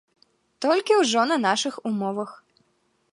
Толькі ўжо на нашых умовах.